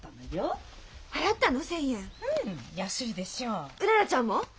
うららちゃんも？